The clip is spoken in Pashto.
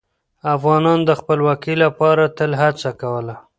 افغانان د خپلواکۍ لپاره تل هڅه کوله.